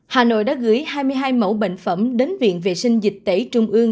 hà nội đã gửi hai mươi hai mẫu bệnh phẩm đến viện vệ sinh dịch tế trung mương